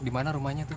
di mana rumahnya tuh